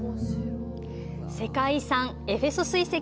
世界遺産エフェソス遺跡。